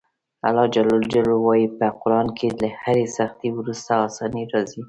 الله ج وایي په قران کې له هرې سختي وروسته اساني راځي.